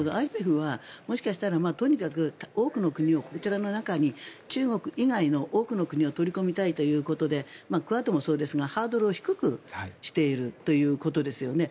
ＩＰＥＦは恐らく多くの国をこちらの中に中国以外の多くの国を取り組みたいということでクアッドもそうですがハードルを低くしているということですよね。